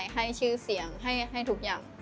ให้ชื่อเสียงให้ทุกอย่าง